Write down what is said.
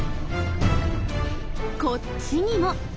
こっちにも。